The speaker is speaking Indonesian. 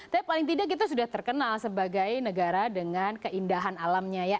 tapi paling tidak kita sudah terkenal sebagai negara dengan keindahan alamnya ya